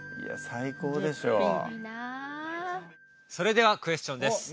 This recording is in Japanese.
それではクエスチョンです